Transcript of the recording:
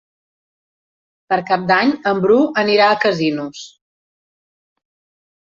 Per Cap d'Any en Bru anirà a Casinos.